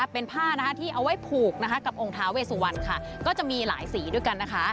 เป็นผ้าที่เอาไว้ผูกกับองค์ท้าเวสุวรรณค่ะก็จะมีหลายสีด้วยกันนะคะ